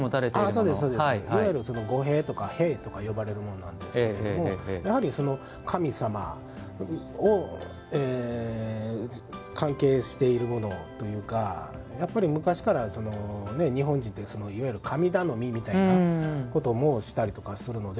いわゆる御幣とか、幣とか呼ばれるものなんですけれどもやはり神様を関係しているものというかやっぱり、昔から日本人って神頼みみたいなこともしたりとかするので。